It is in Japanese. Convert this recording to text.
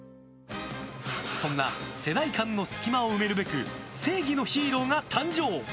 そんな世代間の隙間を埋めるべく正義のヒーローが誕生。